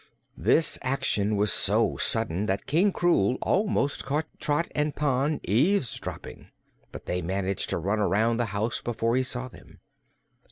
This action was so sudden that King Krewl almost caught Trot and Pon eavesdropping, but they managed to run around the house before he saw them.